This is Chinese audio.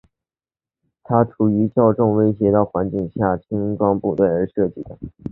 它是为处于较严重威胁环境下的轻装部队而设计的。